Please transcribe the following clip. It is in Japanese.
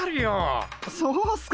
そうっすか？